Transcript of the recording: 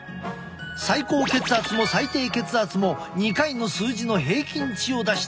最高血圧も最低血圧も２回の数字の平均値を出してみよう。